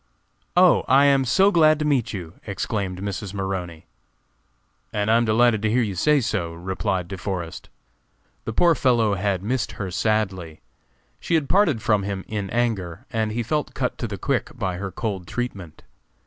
"Oh! I am so glad to meet you," exclaimed Mrs. Maroney. "And I am delighted to hear you say so," replied De Forest. The poor fellow had missed her sadly. She had parted from him in anger, and he felt cut to the quick by her cold treatment.